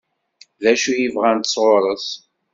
D acu i bɣant sɣur-s?